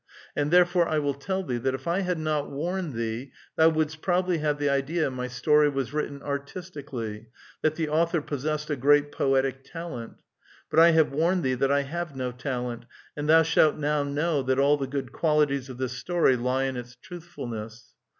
And therefore I will tell thee, that if I had not warned thee, thou wouldst probably have the idea my story was written artistically, that the author possessed a great poetic talent. But I have warned thee that I have no talent, and thou, shalt now know that all the good qualities of this story lie. in its truthfulness.